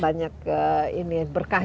banyak ini berkah